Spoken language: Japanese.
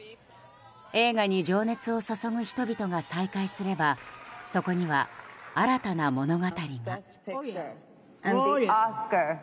映画に情熱を注ぐ人々が再会すればそこには、新たな物語が。